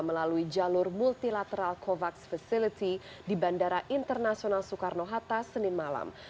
melalui jalur multilateral covax facility di bandara internasional soekarno hatta senin malam